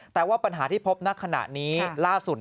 แต่ว่าปัญหาที่พบณขณะนี้ล่าสุด